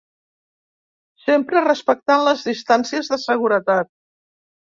Sempre respectant les distàncies de seguretat.